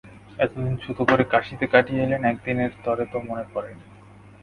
এতদিন ছুতো করে কাশীতে কাটিয়ে এলেন, একদিনের তরে তো মনে পড়ে নি।